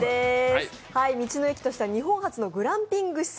道の駅としては日本初のグランピング施設。